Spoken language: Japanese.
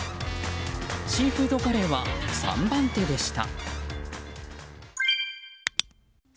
シーフードカレーは３番手でした。